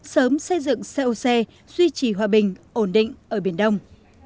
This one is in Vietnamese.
sớm xây dựng coc duy trì hòa bình ổn định ở biển đông